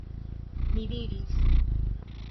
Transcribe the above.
Mi diris.